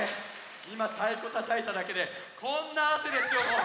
いまたいこたたいただけでこんなあせですよもう！